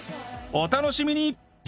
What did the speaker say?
お楽しみに！